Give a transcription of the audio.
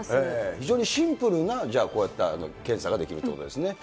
非常にシンプルな、こうやった検査ができるということですね。